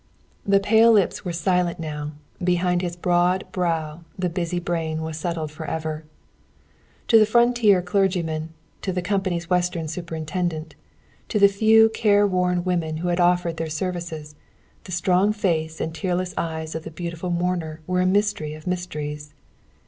The pale lips were silent now, behind his broad brow the busy brain was settled forever. To the frontier clergyman, to the company's Western superintendent, to the few care worn women who had offered their services, the strong face and tearless eyes of the beautiful mourner were a mystery of mysteries.